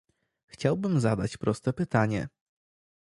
Chciałbym zadać proste pytanie